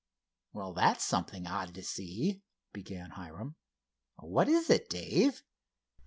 "Well, that's something odd to see," began Hiram—"what is it, Dave?"